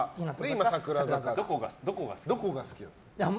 どこが好きなんですか？